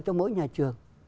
trong mỗi nhà trường